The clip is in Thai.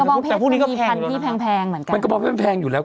ประมณาเพศมีพันธุ์ที่แพงหมั้นกันมันก็พยพันธุ์แพงอยู่แล้ว